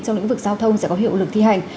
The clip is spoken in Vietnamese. trong lĩnh vực giao thông sẽ có hiệu lực thi hành